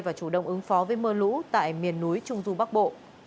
và chủ động ứng phó với mưa lũ tại miền núi trung du bắc bộ